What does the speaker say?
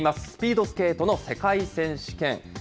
スピードスケートの世界選手権。